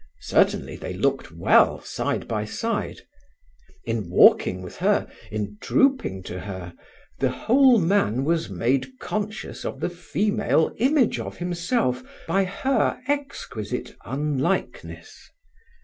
Certainly they looked well side by side. In walking with her, in drooping to her, the whole man was made conscious of the female image of himself by her exquisite unlikeness.